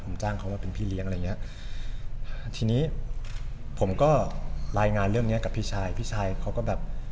ก็จัดการในการใช้ดับที่ไม่ได้ทำไมไม่ได้แต่ก็เป็นทีแล้ว